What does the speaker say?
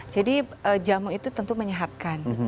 jadi jamu itu tentu menyehatkan